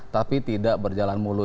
tapi tidak berjalan mulus